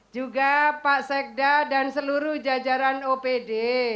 juga pak sekda dan seluruh jajaran opd